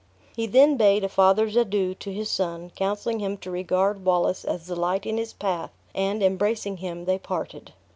He then bade a father's adieu to his son, counseling him to regard Wallace as the light in his path; and, embracing him, they parted.